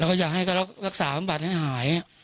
แล้วอยากให้รักษาปัญหาให้หาย